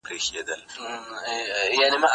زه له سهاره سبا ته فکر کوم!؟